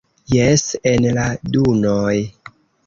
Jes, en la dunoj!